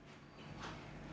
eh gue mau bantu bantu dulu